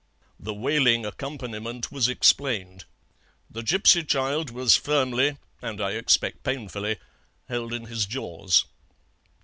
"The wailing accompaniment was explained. The gipsy child was firmly, and I expect painfully, held in his jaws.